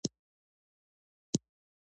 د سترگو توره